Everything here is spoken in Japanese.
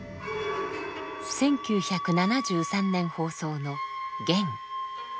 １９７３年放送の「玄」。